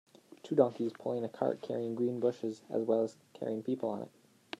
Two donkeys pulling a cart, carrying green bushes, as well as carrying people on it.